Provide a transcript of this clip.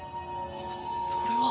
それは。